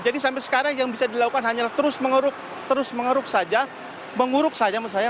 jadi sampai sekarang yang bisa dilakukan hanya terus mengeruk terus mengeruk saja